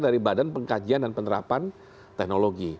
dari badan pengkajian dan penerapan teknologi